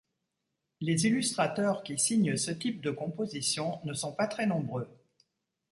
Les illustrateurs qui signent ce type de compositions ne sont pas très nombreux.